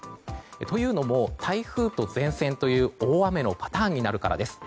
というのも台風と前線という大雨のパターンになるからです。